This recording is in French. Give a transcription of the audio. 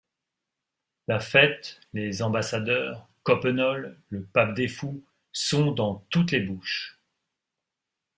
La fête, les ambassadeurs, Coppenole, le pape des fous, sont dans toutes les bouches.